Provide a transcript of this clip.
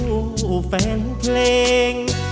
คอยู่คู่แฟนเพลง